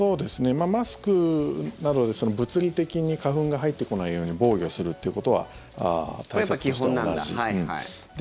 マスクなどで物理的に花粉が入ってこないように防御するということは対策としては同じ。